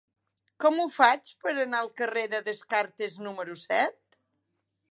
Com ho faig per anar al carrer de Descartes número set?